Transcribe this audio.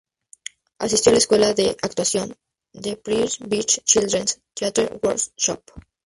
Asistió a la escuela de actuación The Priscilla Beach Children's Theatre Workshop.